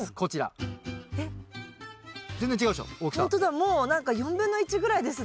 もう何か４分の１ぐらいですね。